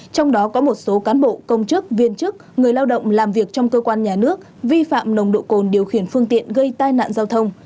trong đó có một số cán bộ công chức viên chức người lao động làm việc trong cơ quan nhà nước vi phạm nồng độ cồn điều khiển phương tiện gây tai nạn giao thông